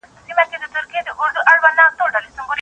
مراقبه مو ذهن له منفي انرژۍ لري ساتي.